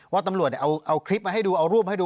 ว่าตำรวจเอาคลิปมาให้ดูเอารูปให้ดู